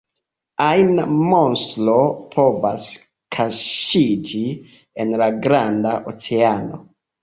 Ajna monstro povas kaŝiĝi en la granda oceano.